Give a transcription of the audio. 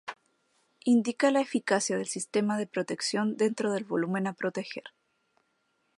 Indica la eficacia del sistema de protección dentro del volumen a proteger.